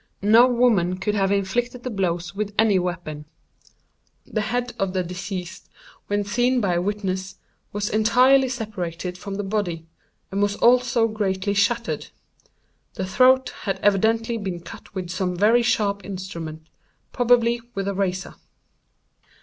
No woman could have inflicted the blows with any weapon. The head of the deceased, when seen by witness, was entirely separated from the body, and was also greatly shattered. The throat had evidently been cut with some very sharp instrument—probably with a razor.